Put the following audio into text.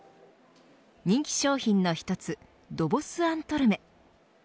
人気商品の一つドボスアントルメ。